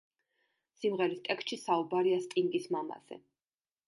სიმღერის ტექსტში საუბარია სტინგის მამაზე.